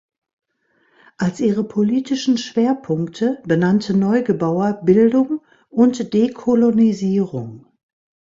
Als ihre politischen Schwerpunkte benannte Neugebauer Bildung und Dekolonisierung.